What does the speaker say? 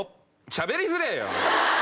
しゃべりづれぇよ！